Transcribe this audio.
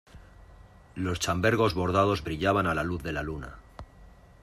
los chambergos bordados brillaban a la luz de la luna.